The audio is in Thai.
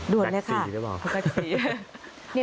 ด่วนแก๊กสีได้ล่ะพอ